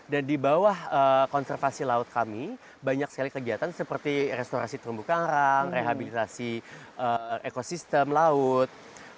dan di bawah konservasi laut kami banyak sekali kegiatan seperti restorasi terumbu karang rehabilitasi ekosistem laut